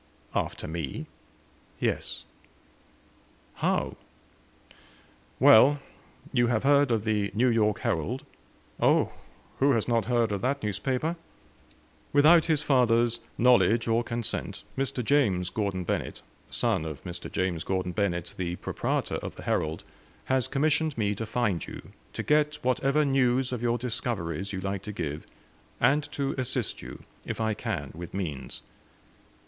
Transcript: "After me?" "Yes." "How?" "Well. You have heard of the 'New York Herald?'" "Oh who has not heard of that newspaper?" "Without his father's knowledge or consent, Mr. James Gordon Bennett, son of Mr. James Gordon Bennett, the proprietor of the 'Herald,' has commissioned me to find you to get whatever news of your discoveries you like to give and to assist you, if I can, with means."